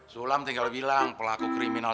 sulam tinggal bilang pelaku kriminal